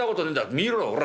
見ろおら。